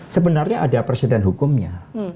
sebenarnya ada persen dan hukumnya